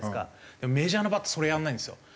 でもメジャーのバッターそれやらないんですよ。